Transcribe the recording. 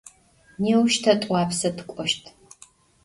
Nêuş te T'uapse tık'oşt.